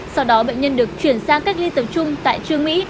sau đó bệnh nhân được chuyển sang cách ly tập trung tại trương mỹ